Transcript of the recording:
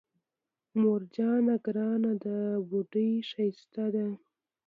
مور جانه ګرانه ده بوډۍ ښايسته ده